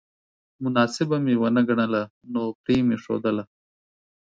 مناسبه مې ونه ګڼله نو پرې مې ښودله